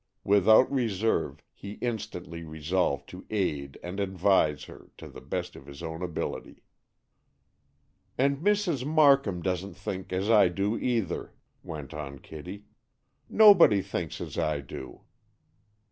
Without reserve he instantly resolved to aid and advise her to the best of his own ability. "And Mrs. Markham doesn't think as I do, either," went on Kitty. "Nobody thinks as I do."